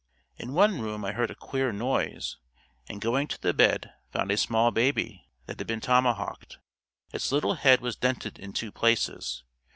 In one room I heard a queer noise and going to the bed found a small baby that had been tomahawked. Its little head was dented in two places.